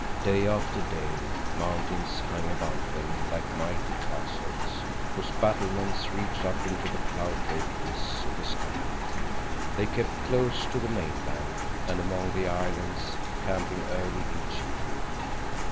Day after day mountains hung about them like mighty castles whose battlements reached up into the cloud draperies of the sky. They kept close to the mainland and among the islands, camping early each evening.